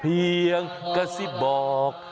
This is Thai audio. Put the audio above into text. เพียงกระซิบบอก